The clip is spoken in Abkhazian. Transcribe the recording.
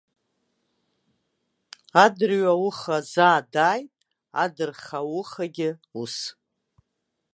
Адырҩауха заа дааит, адырхаухагьы ус.